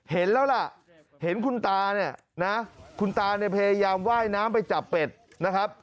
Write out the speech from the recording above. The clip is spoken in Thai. เห็นแล้วล่ะเห็นคุณตาเนี่ยนะคุณตาเนี่ยพยายามว่ายน้ำไปจับเป็ดนะครับ